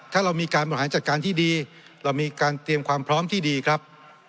ถ้าเรามีการบริหารจัดการที่ดีเรามีการเตรียมความพร้อมที่ดีครับ